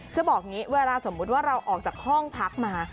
จะบอกอย่างนี้เวลาสมมุติว่าเราออกจากห้องพักมา